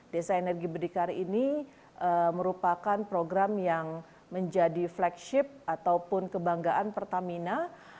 desa energi berdikar ini merupakan program yang menjadi flagship ataupun kebanggaan pertamina